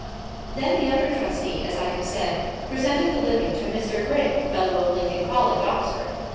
Then the other trustee, as I have said, presented the living to Mr. Gray, Fellow of Lincoln College, Oxford.